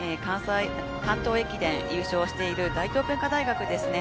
関東駅伝で優勝している大東文化大学ですね。